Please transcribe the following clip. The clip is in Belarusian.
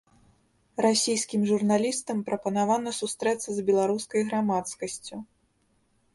Расійскім журналістам прапанавана сустрэцца з беларускай грамадскасцю.